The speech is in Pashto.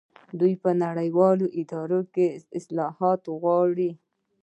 دوی په نړیوالو ادارو کې اصلاحات غواړي.